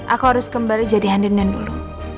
aku harus kembali jadi andin yang dulu